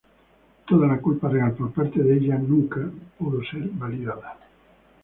Toda la culpa real por parte de ella nunca pudo ser validada.